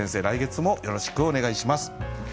来月もよろしくお願いします。